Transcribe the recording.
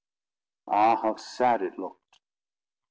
Ah, how sad it looked!